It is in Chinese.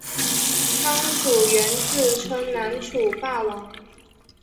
康楚元自称南楚霸王。